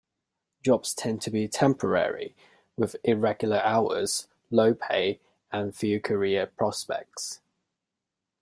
Jobs tend to be temporary, with irregular hours, low pay and few career prospects.